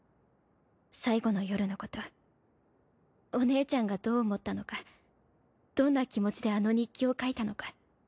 最後の夜のことお姉ちゃんがどう思ったのかどんな気持ちであの日記を書いたのか。